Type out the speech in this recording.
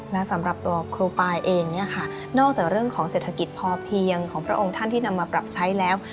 และสำหรับตัวครูปายเองเนี่ยค่ะนอกจากเรื่องของเศรษฐกิจพอเพียงของพระองค์ท่านที่นำมาปรับใช้แล้ว